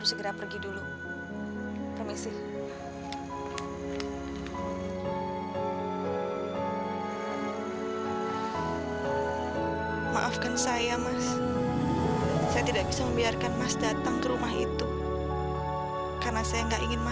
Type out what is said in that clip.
sampai jumpa di video selanjutnya